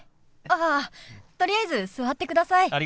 あっとりあえず座ってください。